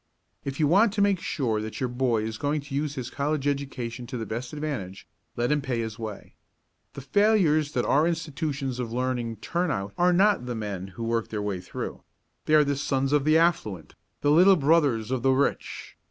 If you want to make sure that your boy is going to use his college education to the best advantage, let him pay his way. The failures that our institutions of learning turn out are not the men who work their way through; they are the sons of the affluent, the little brothers of the rich.